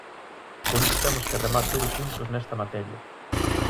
Por iso temos que remar todos xuntos nesta materia.